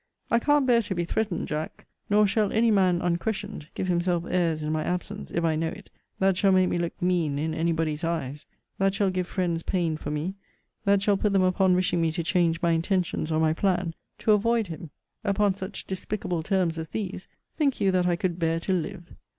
I can't bear to be threatened, Jack. Nor shall any man, unquestioned, give himself airs in my absence, if I know it, that shall make me look mean in any body's eyes; that shall give friends pain for me; that shall put them upon wishing me to change my intentions, or my plan, to avoid him. Upon such despicable terms as these, think you that I could bear to live?